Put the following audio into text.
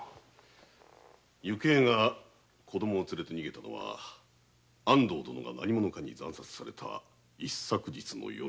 雪江が子供を連れて逃げたのは安藤殿が何者かに惨殺された一昨日の夜。